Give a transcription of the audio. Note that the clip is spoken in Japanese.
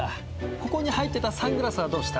ここに入ってたサングラスはどうした？